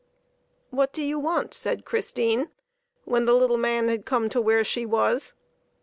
" What do you want ?" said Christine, when the little man had come to where she was.